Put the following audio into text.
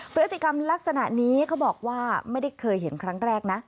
พฤติกรรมลักษณะนี้เขาบอกว่าไม่ได้เคยเห็นครั้งแรกนะ